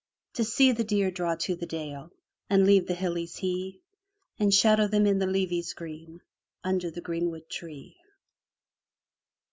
To see the deer draw to the dale And leave the hillies hee. And shadow them in the leavies green, Under the greenwood tree.